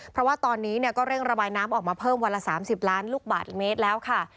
เพราะว่าตอนนี้ก็เร่งระบายน้ำออกมาเพิ่มวันละ๓๐ล้านลูกบาทเมตรแล้วค่ะ